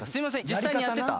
実際にやってた。